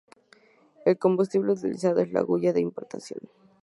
El combustible utilizado es la hulla de importación.